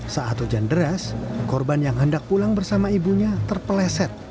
saat hujan deras korban yang hendak pulang bersama ibunya terpeleset